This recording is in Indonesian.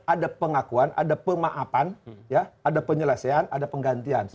ada pengakuan ada pemaafan ada penyelesaian ada penggantian